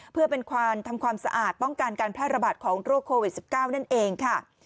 เพื่อเป็นการทำความสะอาดป้องกันการแพร่ระบาดของโรคโควิด๑๙นั่นเองค่ะ